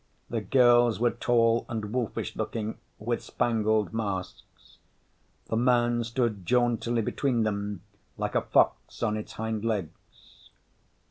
The girls were tall and wolfish looking, with spangled masks. The man stood jauntily between them like a fox on its hind legs.